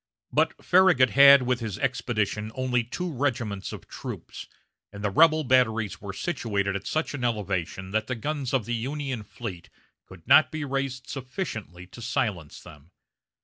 But Farragut had with his expedition only two regiments of troops, and the rebel batteries were situated at such an elevation that the guns of the Union fleet could not be raised sufficiently to silence them.